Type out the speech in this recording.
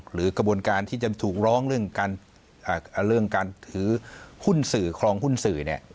หรือกระบวนการที่จะถูกร้องเรื่องการถือหุ้นสื่อครองหุ้นสื่อ